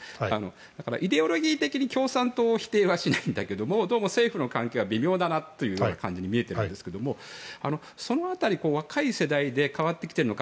だから、イデオロギー的に共産党を否定はしないけどどうも政府との関係が微妙だなという感じに見えているんですがその辺り、若い世代で変わってきているのか